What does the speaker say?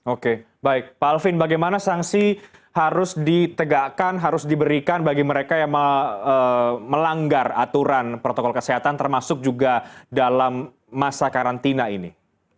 oke baik pak alvin bagaimana sanksi harus ditegakkan harus diberikan bagi mereka yang melanggar aturan protokol kesehatan termasuk juga dalam masa karantina ini